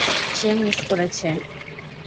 সে miss করেছে!